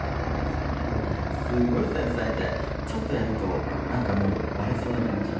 すごい繊細でちょっとやると何かもう割れそうな感じ。